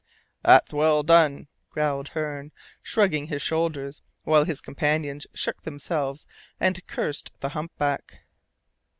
"That's well done!" growled Hearne, shrugging his shoulders, while his companions shook themselves and cursed the humpback.